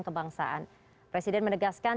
kebangsaan presiden menegaskan